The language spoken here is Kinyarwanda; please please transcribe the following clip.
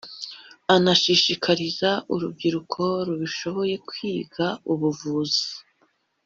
anashishikariza urubyiruko rubishoboye kwiga ubuvuzi